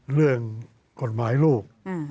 เรื่องกฎหมายลูก